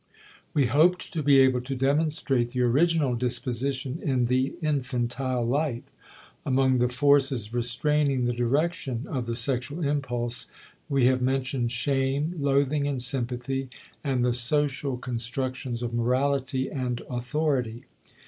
We hoped to be able to demonstrate the original disposition in the infantile life; among the forces restraining the direction of the sexual impulse we have mentioned shame, loathing and sympathy, and the social constructions of morality and authority.